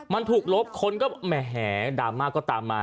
มันถูกลบคนก็แหมดราม่าก็ตามมา